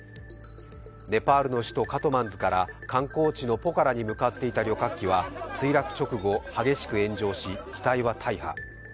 ネパールの首都カトマンズから観光地のポカラに向かっていた旅客機は墜落直後、激しく炎上し機体は大破。